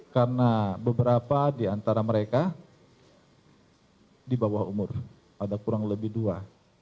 karena beberapa di antara mereka di bawah umur ada kurang lebih dua